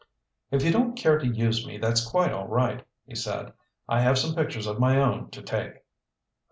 "If you don't care to use me, that's quite all right," he said. "I have some pictures of my own to take."